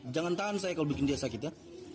jangan tahan saya kalau bikin dia sakit ya